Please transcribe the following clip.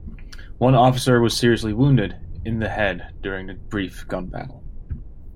One officer was seriously wounded in the head during the brief gun battle.